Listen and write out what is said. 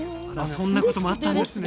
そんなこともあったんですね。